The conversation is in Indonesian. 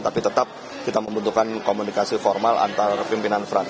tapi tetap kita membutuhkan komunikasi formal antar pimpinan fraksi